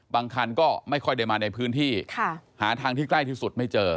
บางคันก็ไม่ค่อยได้มาในพื้นที่หาทางที่ใกล้ที่สุดไม่เจอ